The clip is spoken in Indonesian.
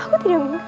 aku tidak mengerti